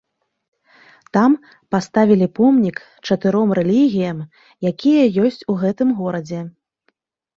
Там паставілі помнік чатыром рэлігіям, якія ёсць у гэтым горадзе.